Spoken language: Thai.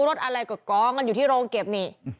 รถอะไรก็กองกันอยู่ที่โรงเก็บนี่